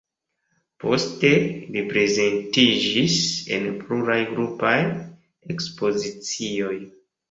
Poste li prezentiĝis en pluraj grupaj ekspozicioj.